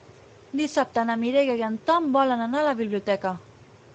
Dissabte na Mireia i en Tom volen anar a la biblioteca.